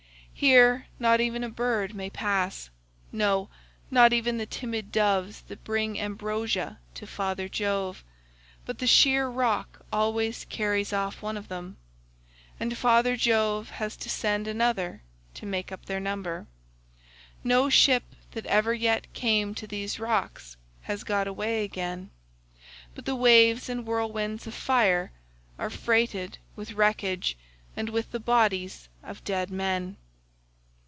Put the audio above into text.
Here not even a bird may pass, no, not even the timid doves that bring ambrosia to Father Jove, but the sheer rock always carries off one of them, and Father Jove has to send another to make up their number; no ship that ever yet came to these rocks has got away again, but the waves and whirlwinds of fire are freighted with wreckage and with the bodies of dead men.